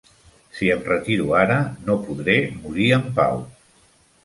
Si em retiro ara, no podré morir en pau.